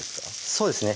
そうですね